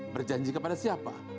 berjanji kepada siapa